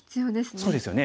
そうですよね。